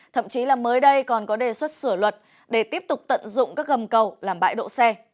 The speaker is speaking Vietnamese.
thậm chí là mới đây còn có đề xuất sửa luật để tiếp tục tận dụng các gầm cầu làm bãi đỗ xe